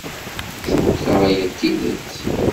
Cukkteɣ aya d tidet.